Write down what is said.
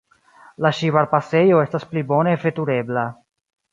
La Ŝibar-pasejo estas pli bone veturebla.